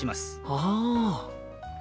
ああ。